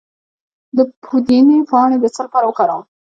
د پودینې پاڼې د څه لپاره وکاروم؟